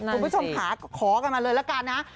คุณผู้ชมค่ะขอกันมาเลยละกันนะ